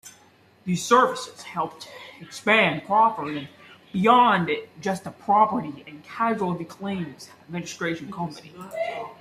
These services helped expand Crawford beyond just a property and casualty claims administration company.